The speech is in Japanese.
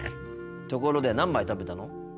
ところで何杯食べたの？